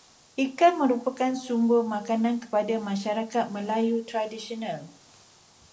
Ikan merupakan sumber makanan kepada masyarakat Melayu tradisional.